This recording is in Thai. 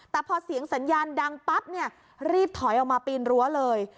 แต่พอเสียงสัญญาณดังปั๊บเนี่ยรีบถอยออกมาปีนรั้วเลย